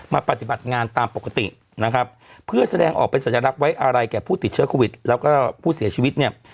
ปฏิบัติงานตามปกตินะครับเพื่อแสดงออกเป็นสัญลักษณ์ไว้อะไรแก่ผู้ติดเชื้อโควิดแล้วก็ผู้เสียชีวิตเนี่ย